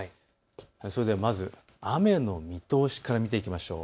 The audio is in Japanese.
それではまず雨の見通しから見ていきましょう。